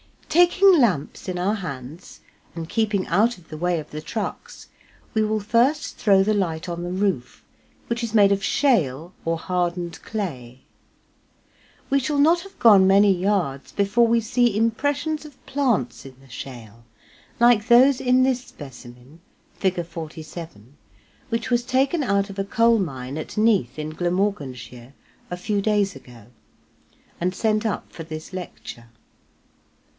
Taking lamps in our hands and keeping out of the way of the trucks, we will first throw the light on the roof, which is made of shale or hardened clay. We shall not have gone many yards before we see impressions of plants in the shale, like those in this specimen (Fig. 47), which was taken out of a coal mine at Neath in Glamorganshire, a few days ago, and sent up for this lecture.